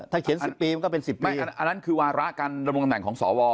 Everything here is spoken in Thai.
ถ้าเขียนสิบปีมันก็เป็นสิบปีอันนั้นคือวาระการระบวงแบ่งของสอวอ